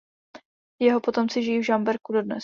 Jeho potomci žijí v Žamberku dodnes.